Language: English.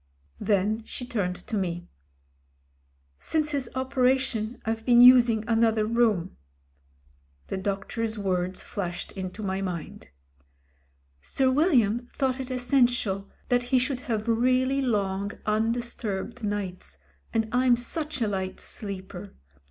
Then she turned to me. "Since his operation I've been using another room." The doctor's words flashed into my mind. "Sir William thought it essen tial that he should have really long undisturbed nights, and I'm such a light sleeper.